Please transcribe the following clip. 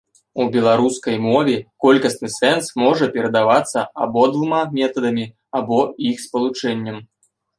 У беларускай мове колькасны сэнс можа перадавацца абодвума метадамі або іх спалучэннем.